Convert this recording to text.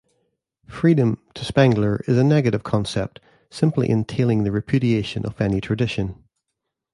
Freedom, to Spengler, is a negative concept, simply entailing the repudiation of any tradition.